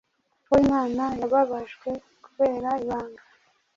Uwo Imana yababajwe kubera ibanga,